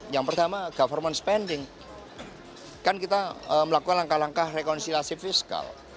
yang pertama government spending kan kita melakukan langkah langkah rekonsiliasi fiskal